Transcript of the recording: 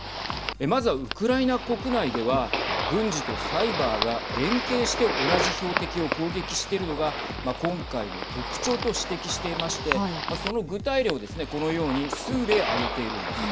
まずは、ウクライナ国内では軍事とサイバーが連携して同じ標的を攻撃してるのが今回の特徴と指摘していましてその具体例をですねこのように数例、挙げているんです。